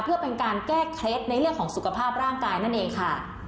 เพื่อเป็นการแก้เคล็ดในเรื่องของสุขภาพร่างกายนั่นเองค่ะ